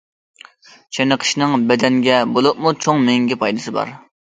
چېنىقىشنىڭ بەدەنگە بولۇپمۇ چوڭ مېڭىگە پايدىسى كۆپ.